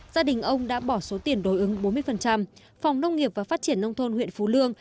gia đình ông đã bỏ số tiền đối ứng bốn mươi phòng nông nghiệp và phát triển nông thôn huyện phú lương